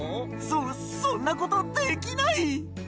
そそんなことできない！